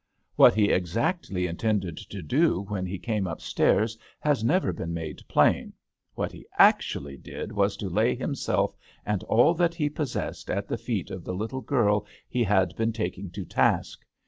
What he exactly intended to do when he came upstairs has never been made plain; what he actually did was to lay himself and all that he possessed at the feet of the little girl he had been taking to task.